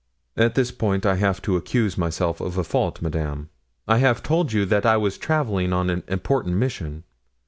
"At this point I have to accuse myself of a fault, madame. I have told you that I was traveling on an important mission.